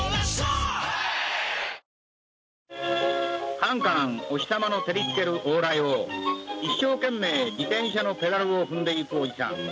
かんかんお日様の照りつける往来を一生懸命、自転車のペダルを踏んでいくおじさん。